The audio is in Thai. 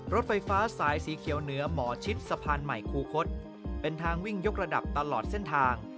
รถไฟฟ้าสายสีเขียวเหนือหมอชิดสะพานใหม่คูคศเป็นทางวิ่งยกระดับตลอดเส้นทาง